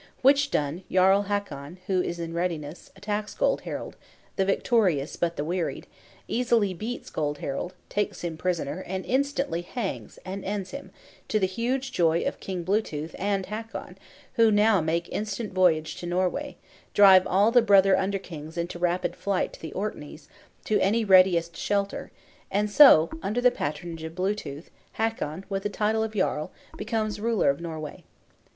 Which done, Jarl Hakon, who is in readiness, attacks Gold Harald, the victorious but the wearied; easily beats Gold Harald, takes him prisoner, and instantly hangs and ends him, to the huge joy of King Blue tooth and Hakon; who now make instant voyage to Norway; drive all the brother under kings into rapid flight to the Orkneys, to any readiest shelter; and so, under the patronage of Blue tooth, Hakon, with the title of Jarl, becomes ruler of Norway.